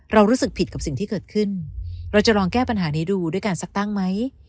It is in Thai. รู้สึกผิดกับสิ่งที่เกิดขึ้นเราจะลองแก้ปัญหานี้ดูด้วยการสักตั้งไหม